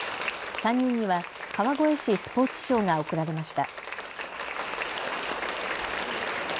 ３人には川越市スポーツ賞が贈られました。